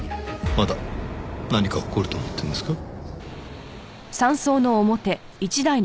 まだ何か起こると思ってるんですか？